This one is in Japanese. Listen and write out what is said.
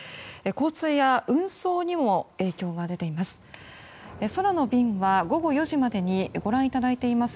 交通や運送にも影響が出ています。